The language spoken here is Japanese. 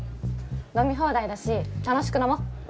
飲み放題だし楽しく飲も。